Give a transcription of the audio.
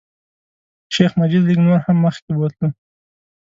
شیخ مجید لږ نور هم مخکې بوتلو.